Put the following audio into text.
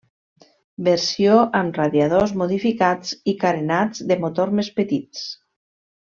Versió amb radiadors modificats i carenats de motor més petits.